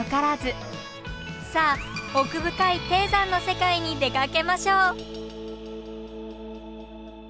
さあ奥深い低山の世界に出かけましょう！